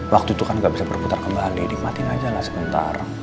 waktu itu kan nggak bisa berputar kembali nikmatin aja lah sebentar